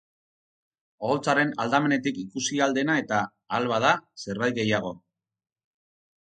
Oholtzaren aldamenetik ikusi ahal dena eta, ahal bada, zerbait gehiago.